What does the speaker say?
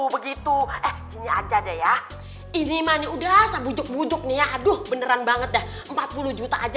begitu aja deh ya ini mani udah sabujuk bujuk nih ya aduh beneran banget dah empat puluh juta aja